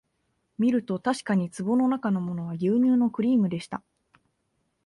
みるとたしかに壺のなかのものは牛乳のクリームでした